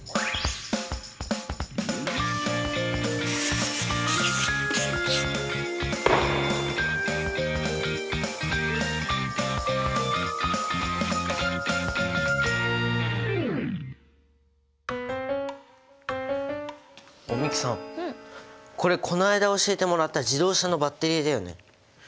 あ美樹さんこれこの間教えてもらった自動車のバッテリーだよね。